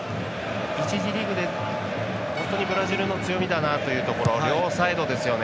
１次リーグで本当にブラジルの強みだなというところ両サイドですよね。